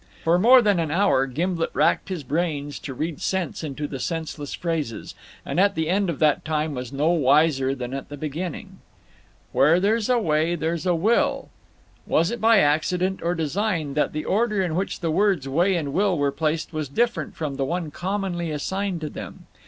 For more than an hour Gimblet racked his brains to read sense into the senseless phrases, and at the end of that time was no wiser than at the beginning. "Where there's a way there's a will." Was it by accident or design that the order in which the words way and will were placed was different from the one commonly assigned to them?